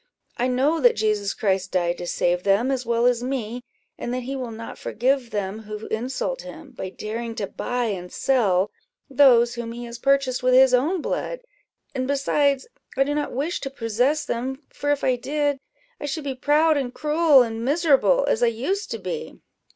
I know that Jesus Christ died to save them as well as me, and that he will not forgive them who insult him, by daring to buy and sell those whom he has purchased with his own blood; and besides, I do not wish to possess them; for if I did, I should be proud and cruel and miserable, as I used to be."